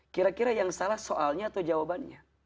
kira kira yang salah soalnya atau jawabannya